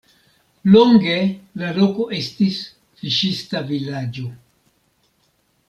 Longe la loko estis fiŝista vilaĝo.